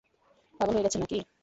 পাগলে হয়ে গেছেন নাকি?